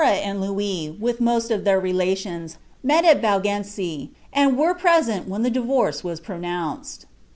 Eleanofa and Lonis, wiih most of ilieir relations, mci at Baiigenci, ind were present when the dixorce was pronounced.'